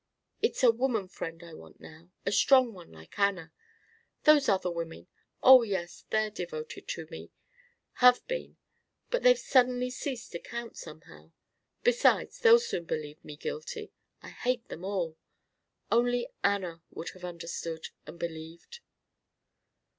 It's a woman friend I want now, a strong one like Anna. Those other women oh, yes, they're devoted to me have been, but they've suddenly ceased to count, somehow. Besides, they'll soon believe me guilty. I hate them all. Only Anna would have understood and believed."